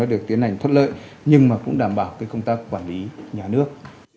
được tiến hành thoát lợi nhưng mà cũng đảm bảo công tác quản lý nhà nước